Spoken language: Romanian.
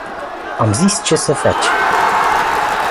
Am zis ce sa faci.